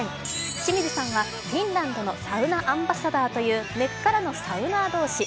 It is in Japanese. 清水さんはフィンランドのサウナアンバサダーという根っからのサウナー同士。